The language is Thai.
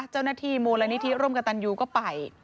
เจ้านาทีโมรณนิธรรมกระตันยูก็ไป